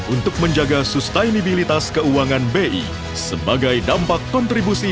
untuk menjaga sustainability keuangan bi sebagai dampak kontribusi